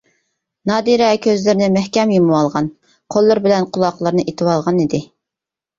نادىرە كۆزلىرىنى مەھكەم يۇمۇۋالغان، قوللىرى بىلەن قۇلاقلىرىنى ئېتىۋالغان ئىدى.